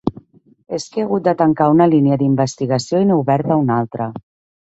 És que he hagut de tancar una línia d'investigació i n'he oberta una altra.